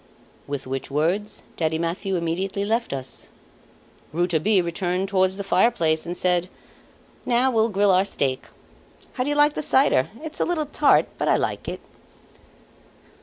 With which words Daddy Mathieu immediately left us. Rouletabille returned towards the fireplace and said: "Now we'll grill our steak. How do you like the cider? It's a little tart, but I like it."